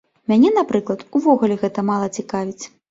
Мяне, напрыклад, увогуле гэта мала цікавіць.